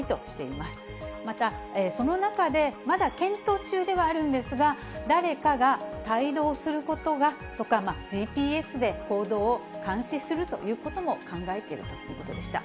また、その中でまだ検討中ではあるんですが、誰かが帯同するとか、ＧＰＳで行動を監視するということも考えているということでした。